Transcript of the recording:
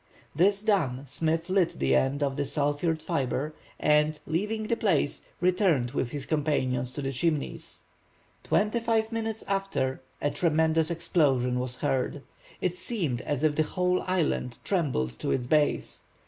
This done, Smith lit the end of the sulfured fibre, and, leaving the place, returned with his companions to the Chimneys. Twenty five minutes after a tremendous explosion was heard. It seemed as if the whole island trembled to its base.